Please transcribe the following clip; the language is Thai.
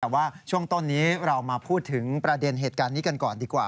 แต่ว่าช่วงต้นนี้เรามาพูดถึงประเด็นเหตุการณ์นี้กันก่อนดีกว่า